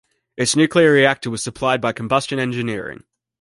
Its nuclear reactor was supplied by Combustion Engineering.